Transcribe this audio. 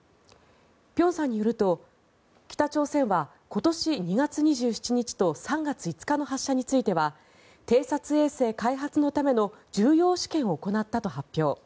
辺さんによると北朝鮮は今年２月２７日と３月５日の発射については偵察衛星開発のための重要試験を行ったと発表。